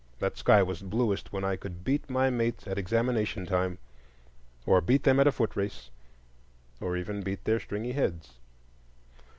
That sky was bluest when I could beat my mates at examination time, or beat them at a foot race, or even beat their stringy heads.